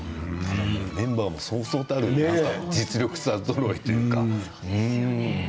メンバーも、そうそうたる実力者ぞろいというか。